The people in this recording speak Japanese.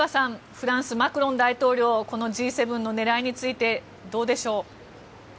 フランス、マクロン大統領このＧ７の狙いについてどうでしょう。